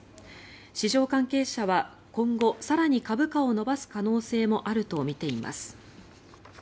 市場関係者は今後更に株価を伸ばす可能性もあるとみています。